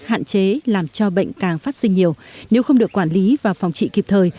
hạn chế làm cho bệnh càng phát sinh nhiều nếu không được quản lý và phòng trị kịp thời